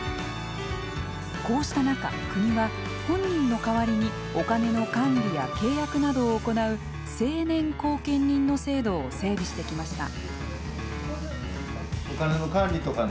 こうした中、国は本人の代わりにお金の管理や契約などを行う「成年後見人」の制度を整備してきました。